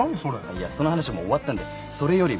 いやその話もう終わったんでそれよりも。